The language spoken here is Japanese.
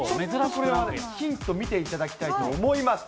これはヒント見ていただきたいと思います。